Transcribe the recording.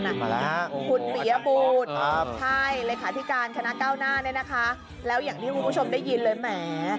มาแล้วอาจารย์ปุ่นใช่เลยคาธิการคณะเก้าหน้าแล้วอย่างที่คุณผู้ชมได้ยินเลยแหม